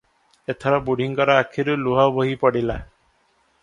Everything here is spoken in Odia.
ଏଥର ବୁଢ଼ୀଙ୍କର ଆଖିରୁ ଲୁହ ବୋହି ପଡ଼ିଲା ।